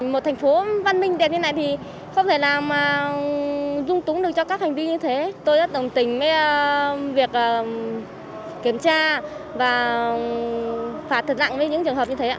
một thành phố văn minh đẹp như này thì không thể nào mà dung túng được cho các hành vi như thế tôi rất đồng tình với việc kiểm tra và phạt thật lặng với những trường hợp như thế